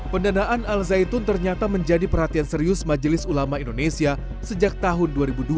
pendanaan al zaitun ternyata menjadi perhatian serius majelis ulama indonesia sejak tahun dua ribu dua